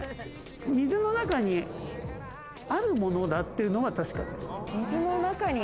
水の中にあるものだっていうのは確かです。